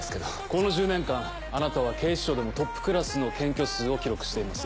この１０年間あなたは警視庁でもトップクラスの検挙数を記録しています。